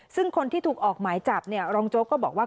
ซึ่งคนที่ถูกออกหมายจับเนี่ยรองโจ๊กก็บอกว่า